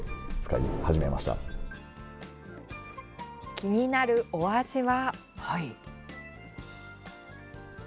気になるお味は。